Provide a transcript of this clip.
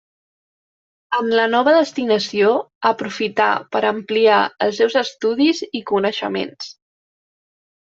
En la nova destinació, aprofità per ampliar els seus estudis i coneixements.